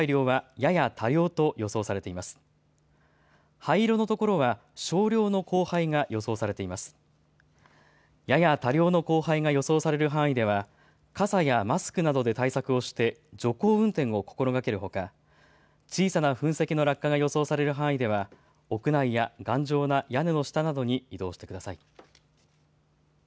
やや多量の降灰が予想される範囲では傘やマスクなどで対策をして徐行運転を心がけるほか小さな噴石の落下が予想される範囲では屋内や頑丈な屋根の下などに移動してください。